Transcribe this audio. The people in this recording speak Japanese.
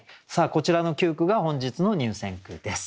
こちらの９句が本日の入選句です。